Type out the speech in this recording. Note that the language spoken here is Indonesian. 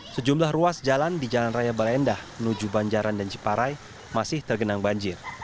sejumlah ruas jalan di jalan raya baleendah menuju banjaran dan ciparai masih tergenang banjir